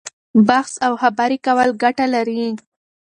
بحث او خبرې کول ګټه لري.